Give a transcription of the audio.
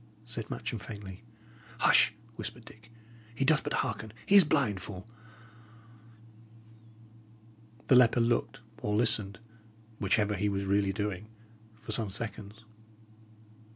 said Matcham, faintly. "Hush!" whispered Dick. "He doth but hearken. He is blind, fool!" The leper looked or listened, whichever he was really doing, for some seconds.